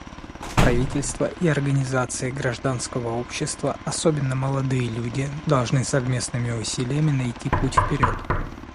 Правительства и организации гражданского общества, особенно молодые люди, должны совместными усилиями найти путь вперед.